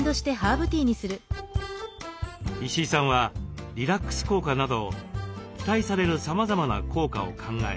石井さんはリラックス効果など期待されるさまざまな効果を考え